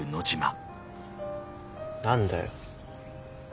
何だよ。